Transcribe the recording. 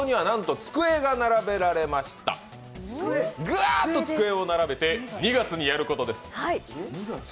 ガーッと机を並べて、２月にやることです。